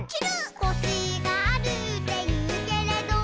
「コシがあるっていうけれど」